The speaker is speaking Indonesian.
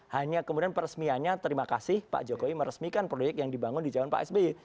hanya kemudian peresmiannya terima kasih pak jokowi meresmikan proyek yang dibangun di zaman pak sby